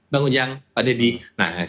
pak ujang pak deddy